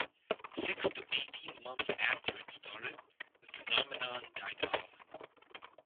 Six to eighteen months after it started, the phenomenon died off.